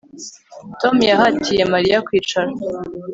Tom yahatiye Mariya kwicara